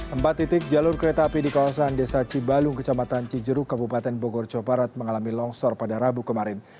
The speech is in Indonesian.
empat titik jalur kereta api di kawasan desa cibalung kecamatan cijeruk kabupaten bogor jawa barat mengalami longsor pada rabu kemarin